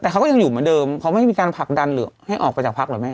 เขาไม่ได้มีการผลักดันหรือให้ออกไปจากพักหรือแม่